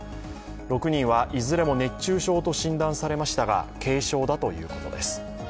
６人はいずれも熱中症と診断されましたが、軽症だということです。